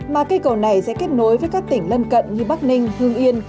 mà cây cầu này sẽ kết nối với các tỉnh lân cận như bắc ninh hương yên